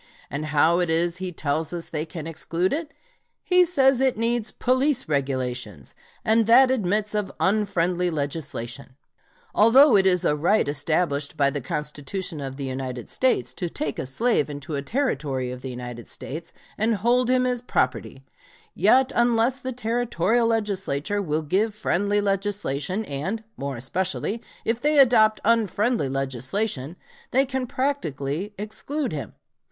And how is it he tells us they can exclude it? He said it needs "police regulations," and that admits of "unfriendly legislation." Although it is a right established by the Constitution of the United States to take a slave into a Territory of the United States and hold him as property, yet unless the Territorial Legislature will give friendly legislation, and, more especially, if they adopt unfriendly legislation, they can practically exclude him.